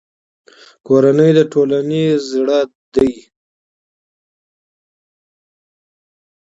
کورنۍ د ټولنې زړه دی.